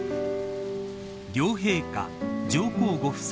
両陛下、上皇ご夫妻